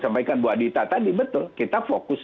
sampaikan bu adita tadi betul kita fokus